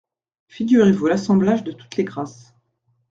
Figurez-vous l’assemblage de toutes les grâces…